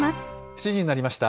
７時になりました。